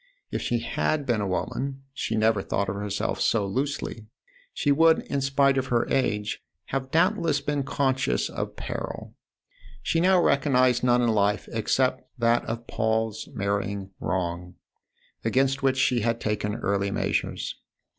If she had been a woman she never thought of herself so loosely she would, in spite of her age, have doubtless been conscious of peril. She now recognised none in life except that of Paul's marrying wrong, against which she had taken early measures.